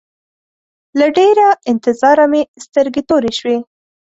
له ډېره انتظاره مې سترګې تورې شوې.